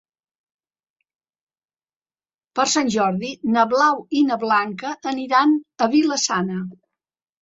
Per Sant Jordi na Blau i na Blanca aniran a Vila-sana.